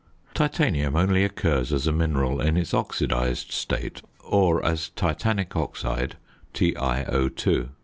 Titanium only occurs as a mineral in its oxidised state, or as titanic oxide (TiO_).